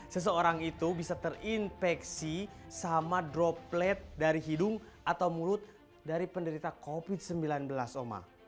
seseorang itu bisa terinfeksi sama droplet dari hidung atau mulut dari penderita covid sembilan belas oma